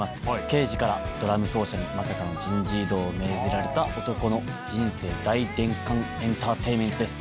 刑事からドラム奏者にまさかの人事異動を命じられた男の人生大転換エンターテインメントです。